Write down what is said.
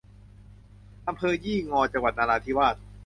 อำเภอยี่งอ จังหวัดนราธิวาส